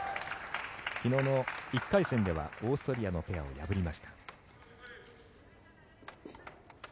昨日の１回戦ではオーストリアのペアを破りました。